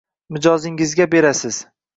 mijozingizga berasiz